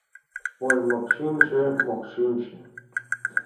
Ой, мокшинче, мокшинче